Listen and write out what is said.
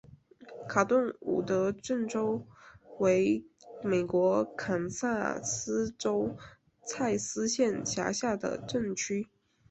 卡顿伍德镇区为美国堪萨斯州蔡斯县辖下的镇区。